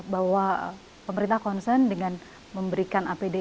bahwa pemerintah concern dengan memberikan apd